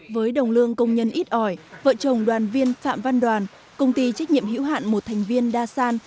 với đồng lương công nhân ít ỏi vợ chồng đoàn viên phạm văn đoàn công ty trách nhiệm hữu hạn một thành viên đa san